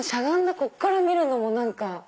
ここから見るのも何か。